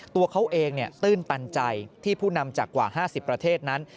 ตัวเขาเองตื้นตันใจที่ผู้นำจากกว่า๕๐ประเทศนั้น